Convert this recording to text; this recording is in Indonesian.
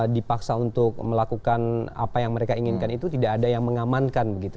dipaksa untuk melakukan apa yang mereka inginkan itu tidak ada yang mengamankan begitu